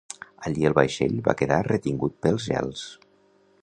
Allí el vaixell va quedar retingut pels gels.